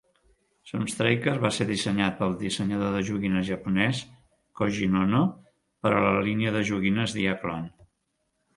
Sunstreaker va ser dissenyat pel dissenyador de joguines japonès Kohjin Ohno per a la línia de joguines Diaclone.